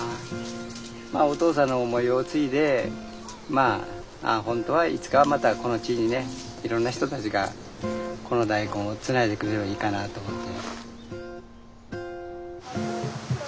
お父さんの思いを継いで本当はいつかまたこの地にいろんな人たちがこの大根をつないでくれればいいかなと思って。